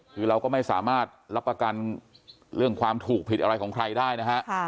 คือเราก็ไม่สามารถรับประกันเรื่องความถูกผิดอะไรของใครได้นะฮะ